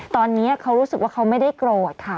ตอนนี้เขารู้สึกว่าเขาไม่ได้โกรธค่ะ